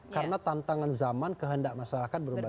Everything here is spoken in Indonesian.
karena tantangan zaman kehendak masyarakat berubah